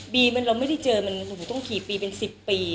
เราไม่ได้เจอมันหนูต้องขี่ปีเป็น๑๐ปี